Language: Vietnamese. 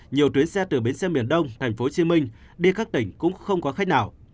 nhiều chuyến xe từ bến xe miền đông tp hcm đi khắp tỉnh cũng không có khách nào